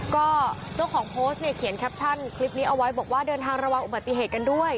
ก็เจ้าของโพสต์เนี่ยเขียนแคปชั่นคลิปนี้เอาไว้บอกว่าเดินทางระวังอุบัติเหตุกันด้วย